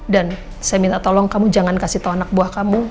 dan saya minta tolong kamu jangan kasih tau anak buah kamu